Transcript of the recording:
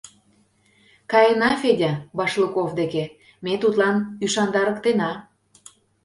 — Каена, Федя, Башлыков деке, ме тудлан ӱшандарыктена...